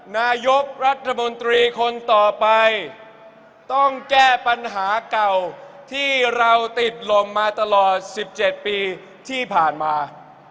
นายกรัฐมนตรีคนต่อไปต้องแก้ปัญหาเก่าที่เราติดลมมาตลอด๑๗ปีที่ผ่านมา